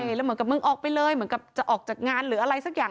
แล้วเหมือนกับมึงออกไปเลยเหมือนกับจะออกจากงานหรืออะไรสักอย่าง